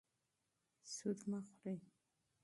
سود مه خورئ.